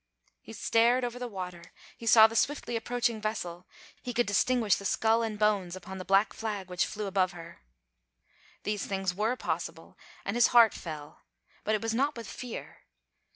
He stared over the water, he saw the swiftly approaching vessel, he could distinguish the skull and bones upon the black flag which flew above her. These things were possible, and his heart fell; but it was not with fear.